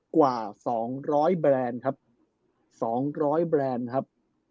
กว่า๒๐๐แบรนด์ครับ